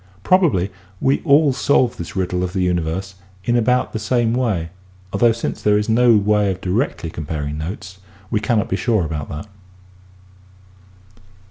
Probably we all solve this riddle of the universe in about the same way although since there is no way of directly comparing notes we cannot be sure about that.